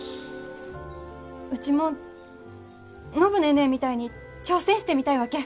うちも暢ネーネーみたいに挑戦してみたいわけ。